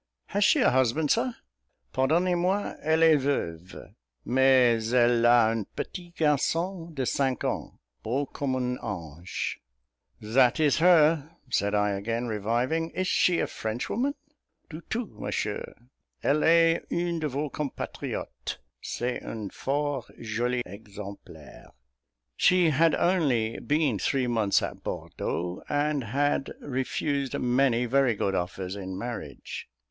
"Has she a husband, Sir?" "Pardonnez moi, elle est veuve, mais elle a un petit garçon de cinq ans, beau comme un ange." "That is her," said I again, reviving. "Is she a Frenchwoman?" "Du tout, Monsieur, elle est une de vos compatriottes; c'est un fort joli exemplaire." She had only been three months at Bordeaux, and had refused many very good offers in marriage.